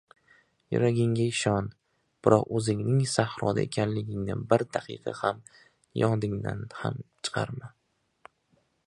Yuragingga ishon, biroq o‘zingning sahroda ekanligingni bir daqiqa ham yodingdan chiqarma.